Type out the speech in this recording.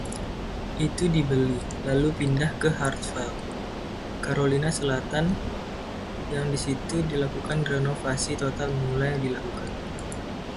Itu dibeli, lalu pindah ke Hartsville, Carolina Selatan yang di situ dilakukan renovasi total mulai dilakukan.